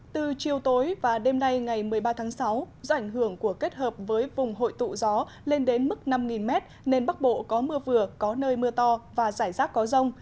từ chiều tối và đêm nay ngày một mươi ba tháng sáu do ảnh hưởng của kết hợp với vùng hội tụ gió lên đến mức năm m nên bắc bộ có mưa vừa có nơi mưa to và rải rác có rông